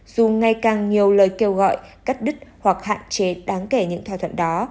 dù ngày càng nhiều lời kêu gọi cắt đứt hoặc hạn chế đáng kể những thỏa thuận đó